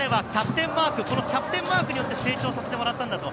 彼はキャプテンマークによって成長させてもらったんだと。